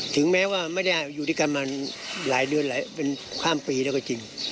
ถึงแม้ว่าไม่ได้อยู่ด้วยกันมาหลายเดือนหลายเป็นข้ามปีแล้วก็จริง